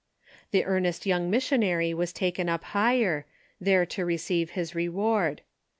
The earnest young missionary was taken up higher, there to receive his reward.